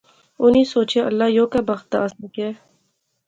انی سوچیا اللہ یو کہہ بخت دا اسیں کیا